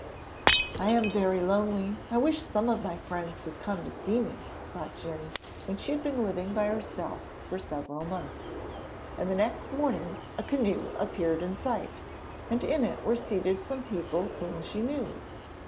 'I am very lonely: I wish some of my old friends would come to see me,' thought Djun when she had been living by herself for several months, and the next morning a canoe appeared in sight, and in it were seated some people whom she knew.